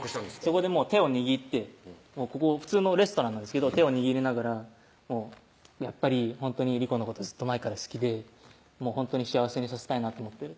そこでもう手を握ってここ普通のレストランなんですけど手を握りながら「やっぱりほんとに理子のことずっと前から好きでもうほんとに幸せにさせたいなと思ってる」